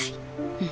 うん。